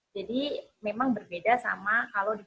jadi memang berbeda sama kalau diproduksi